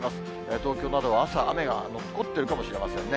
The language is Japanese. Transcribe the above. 東京などは朝、雨が残っているかもしれませんね。